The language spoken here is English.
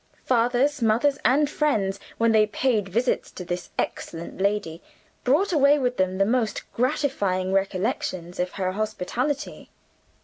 Fathers, mothers, and friends, when they paid visits to this excellent lady, brought away with them the most gratifying recollections of her hospitality.